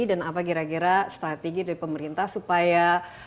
dan apa gira gira strategi dari pemerintah supaya